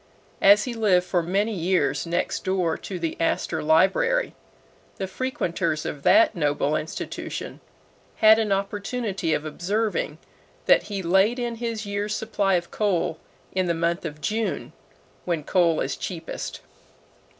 As he lived for many years next door to the Astor Library, the frequenters of that noble institution had an opportunity of observing that he laid in his year's supply of coal in the month of June, when coal is cheapest.